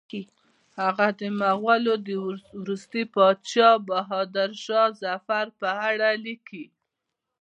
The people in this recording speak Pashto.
هغه د مغولو د وروستي پاچا بهادر شاه ظفر په اړه لیکي.